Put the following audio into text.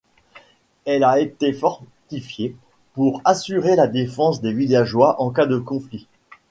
Elle a été fortifiée pour assurer la défense des villageois en cas de conflit.